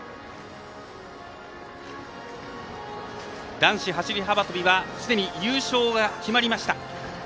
男子走り幅跳びは優勝は決まりました。